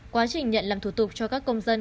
quá trình nhận làm thủ tục cho các công dân